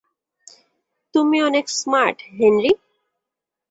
তুমি অনেক smart, Henry.